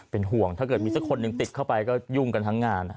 เป็นห่วงถ้าเกิดมีสักคนหนึ่งติดเข้าไปก็ยุ่งกันทั้งงาน